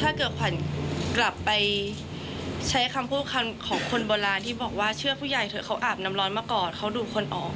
ถ้าเกิดขวัญกลับไปใช้คำพูดคำของคนโบราณที่บอกว่าเชื่อผู้ใหญ่เถอะเขาอาบน้ำร้อนมาก่อนเขาดูคนออก